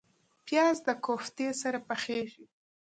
پیاز د کوفتې سره پخیږي